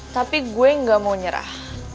tapi gue gak mau nyerah